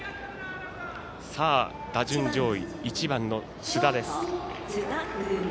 打順上位、１番の津田です。